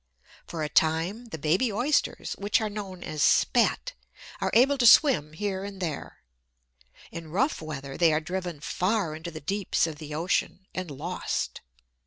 For a time, the baby Oysters which are known as "spat" are able to swim here and there. In rough weather they are driven far into the deeps of the ocean, and lost.